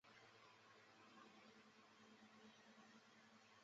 仅往自由路方向双向